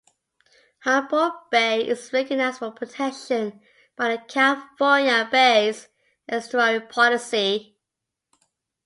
Humboldt Bay is recognized for protection by the California Bays and Estuaries Policy.